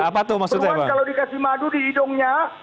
peruan kalau dikasih madu di hidungnya